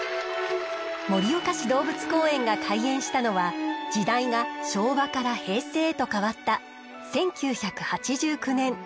盛岡市動物公園が開園したのは時代が昭和から平成へと変わった１９８９年。